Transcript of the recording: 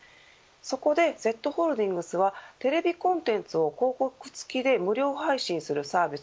そこでＺホールディングスはテレビコンテンツを広告付きで無料配信するサービス